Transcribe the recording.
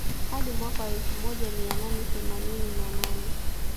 Hadi mwaka wa elfu moja mia nane themanini na nane